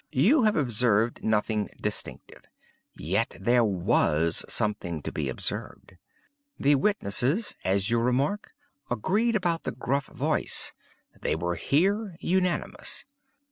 You have observed nothing distinctive. Yet there was something to be observed. The witnesses, as you remark, agreed about the gruff voice; they were here unanimous.